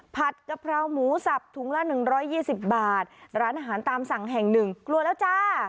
กะเพราหมูสับถุงละ๑๒๐บาทร้านอาหารตามสั่งแห่งหนึ่งกลัวแล้วจ้า